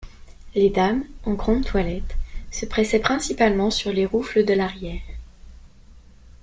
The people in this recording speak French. Les dames, en grande toilette, se pressaient principalement sur les roufles de l’arrière.